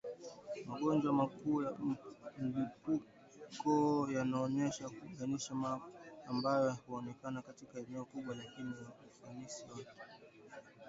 magonjwa makuu ya mlipuko yanayoweza kubainishwa ambayo hutokea katika eneo kubwa lakini ufanisi wake